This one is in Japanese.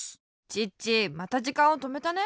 チッチまたじかんをとめたね。